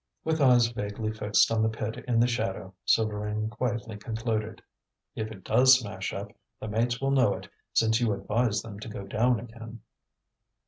With eyes vaguely fixed on the pit in the shadow, Souvarine quietly concluded: "If it does smash up, the mates will know it, since you advise them to go down again."